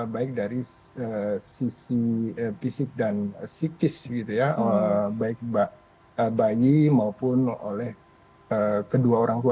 baik dari sisi fisik dan psikis baik bayi maupun oleh kedua orang tua